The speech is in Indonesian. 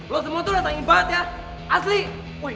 lo semua tuh udah saking banget ya asli